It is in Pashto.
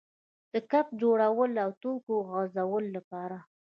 د ګپ جوړولو او ټوکو غځولو لپاره.